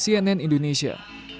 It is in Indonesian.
tim liputan cnn indonesia